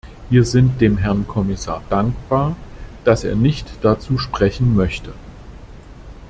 Wir sind dem Herrn Kommissar dankbar, dass er nicht dazu sprechen möchte.